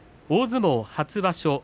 大相撲初場所